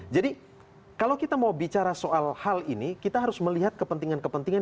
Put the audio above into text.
jadi kalau kita mau bicara soal hal ini kita harus melihat kepentingan kepentingan